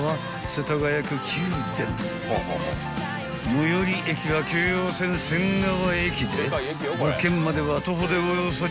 ［最寄り駅は京王線仙川駅で物件までは徒歩でおよそ１２分］